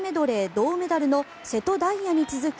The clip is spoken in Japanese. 銅メダルの瀬戸大也に続く